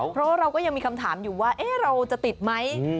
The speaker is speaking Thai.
เพราะว่าเราก็ยังมีคำถามอยู่ว่าเราจะติดไหม